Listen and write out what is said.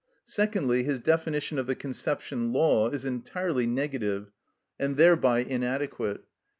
Secondly, his definition of the conception law is entirely negative, and thereby inadequate.